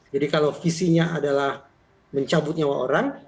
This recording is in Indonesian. jadi kalau visinya adalah mencabut nyawa orang